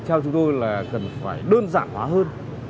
theo chúng tôi là cần phải đơn giản hóa hơn